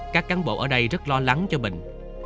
các cán bộ ở đây rất lo lắng cho mình